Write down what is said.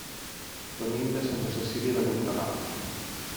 Venim de Santa Cecília de Voltregà.